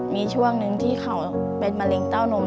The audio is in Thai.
มีช่วงหนึ่งที่เขาเป็นมะเร็งเต้านม